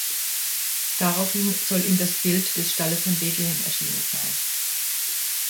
Daraufhin soll ihm das Bild des Stalles von Bethlehem erschienen sein.